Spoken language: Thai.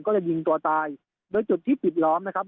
ก็เลยยิงตัวตายโดยจุดที่ปิดล้อมนะครับ